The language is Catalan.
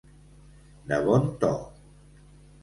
De bon to.